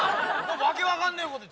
訳分かんねえこと言って。